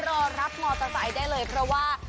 รอรับมอเตอร์ไซค์ได้เลยเพราะว่า